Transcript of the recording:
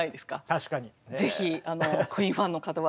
確かに。